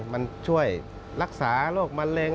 มันช่วยรักษาโรคมะเร็ง